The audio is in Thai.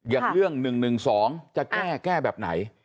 อย่างเรื่อง๑๑๒จะแก้แก้แบบไหน